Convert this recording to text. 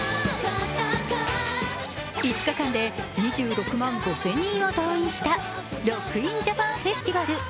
５日間で２６万５０００人を動員したＲＯＣＫＩＮＪＡＰＡＮＦＥＳＴＩＶＡＬ。